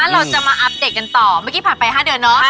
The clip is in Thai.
เราจะมาอัปเดตกันต่อเมื่อกี้ผ่านไป๕เดือนเนาะ